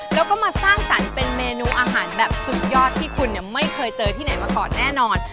แล้วก็มาสร้างสรรค์เป็นเมนูอาหารแบบสุดยอดที่คุณไม่เคยเจอที่ไหนมาก่อนแน่นอน